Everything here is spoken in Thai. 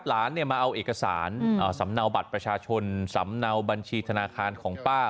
หลานมาเอาเอกสารสำเนาบัตรประชาชนสำเนาบัญชีธนาคารของป้า